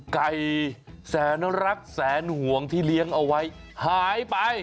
ไก่แสนรักแสนห่วงที่เลี้ยงเอาไว้หายไป